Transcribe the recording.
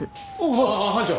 ああ班長。